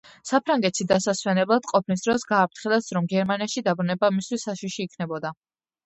საფრანგეთში დასასვენებლად ყოფნის დროს გააფრთხილეს, რომ გერმანიაში დაბრუნება მისთვის საშიში იქნებოდა.